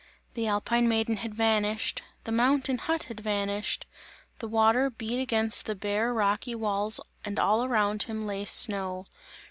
The alpine maiden had vanished, the mountain hut had vanished, the water beat against the bare rocky walls and all around him lay snow.